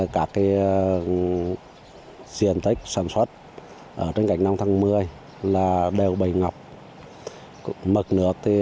các diện tích sản xuất ở trên cạnh năm tháng một mươi là đều bày ngập mực nước